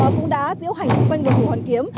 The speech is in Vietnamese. cũng đã diễu hành xung quanh đồ thủ hoàn kiếm